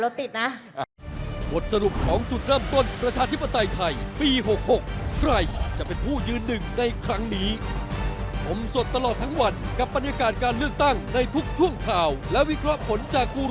รถติดได้ยินแบบนี้คาดหวังแล้วนะคะ